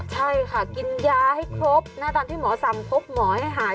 ใช่ค่ะกินยาให้ครบนะตอนที่หมอสั่งครบหมอให้หาย